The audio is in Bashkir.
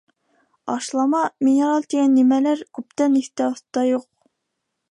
Ашлама, минераль тигән нәмәләр күптән иҫтә-оҫта юҡ.